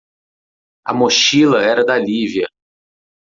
A mochila era da Lívia.